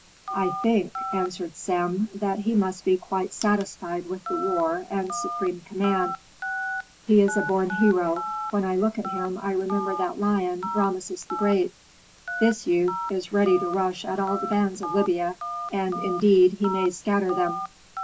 "I think," answered Sem, "that he must be quite satisfied with the war and supreme command. He is a born hero. When I look at him I remember that lion, Rameses the Great. This youth is ready to rush at all the bands of Libya, and, indeed, he may scatter them."